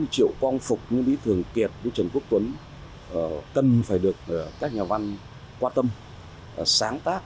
triệu quang phục những vị thường kiệt của trần quốc tuấn cần phải được các nhà văn quan tâm sáng tác